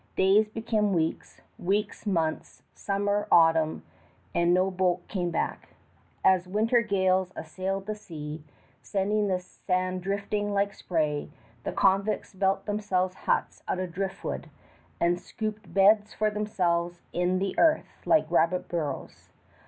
Days become weeks, weeks months, summer autumn; and no boat came back. As winter gales assailed the sea, sending the sand drifting like spray, the convicts built themselves huts out of driftwood, and scooped beds for themselves in the earth like rabbit burrows.